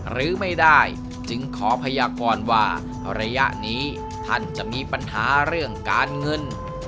หรือไม่ได้จึงขอพยากรว่าระยะนี้ท่านจะมีปัญหาเรื่องการเงิน